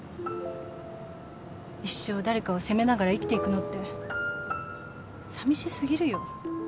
一生誰かを責めながら生きていくのってさみし過ぎるよ。